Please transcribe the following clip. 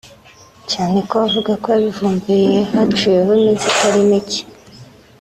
cyane ko avuga ko yabivumbuye hanaciyeho iminsi itari micye